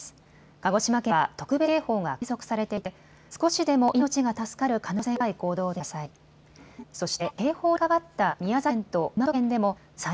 鹿児島県では特別警報が継続されていて少しでも命が助かる可能性が高い行動を取ってください。